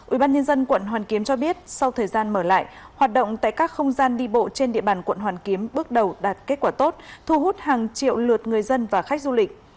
ubnd quận hoàn kiếm cho biết sau thời gian mở lại hoạt động tại các không gian đi bộ trên địa bàn quận hoàn kiếm bước đầu đạt kết quả tốt thu hút hàng triệu lượt người dân và khách du lịch